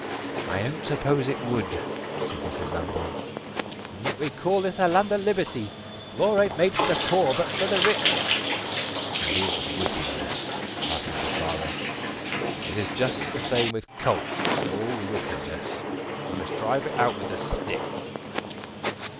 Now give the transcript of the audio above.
"I don't suppose it would," said Mrs. Lambole. "And yet we call this a land of liberty! Law ain't made for the poor, but for the rich." "It is wickedness," argued the father. "It is just the same with colts all wickedness. You must drive it out with the stick."